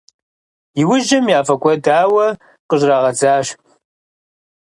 Иужьым яфӏэкӏуэдауэ къыщӏрагъэдзащ.